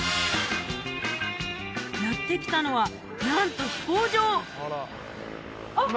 やって来たのはなんと飛行場あっ！